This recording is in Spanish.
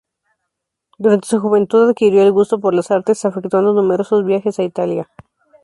Durante su juventud adquirió el gusto por las artes, efectuando numerosos viajes a Italia.